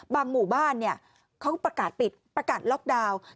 หมู่บ้านเขาก็ประกาศปิดประกาศล็อกดาวน์